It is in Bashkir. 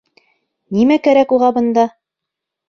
Нимә кәрәк уға бында?